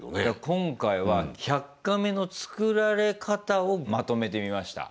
今回は「１００カメ」の作られ方をまとめてみました。